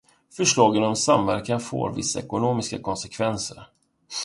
Förslagen om samverkan får vissa ekonomiska konsekvenser.